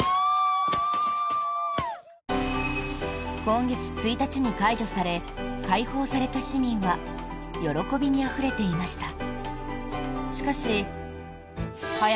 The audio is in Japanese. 今月１日に解除され解放された市民は喜びにあふれていました。